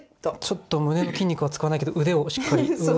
ちょっと胸の筋肉は使わないけど腕をしっかりグー。